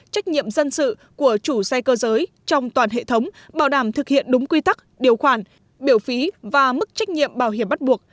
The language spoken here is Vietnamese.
trách nhiệm dân sự của chủ xe cơ giới trong toàn hệ thống bảo đảm thực hiện đúng quy tắc điều khoản biểu phí và mức trách nhiệm bảo hiểm bắt buộc